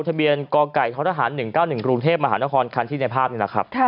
ที่เปลี่ยนกรกัยท้อรหาร๑๙๑กรุงเทพฯมหานครคันที่ในภาพนี้นะครับ